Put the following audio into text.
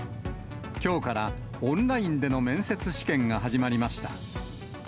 きょうからオンラインでの面接試験が始まりました。